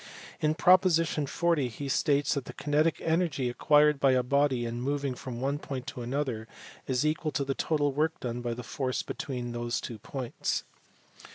In proposition 40 he states that the kinetic energy acquired by a body in moving from one point to another point is equal to the total work done by the force between those two points.